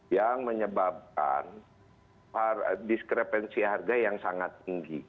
yang menyebabkan diskrepensi harga yang sangat tinggi